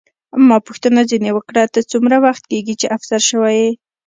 ما پوښتنه ځیني وکړه، ته څومره وخت کېږي چې افسر شوې یې؟